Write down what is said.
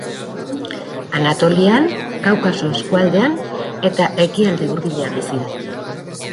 Anatolian, Kaukaso eskualdean eta Ekialde Hurbilean bizi da.